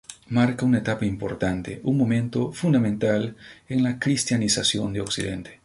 Marca una etapa importante, un momento fundamental en la cristianización de Occidente.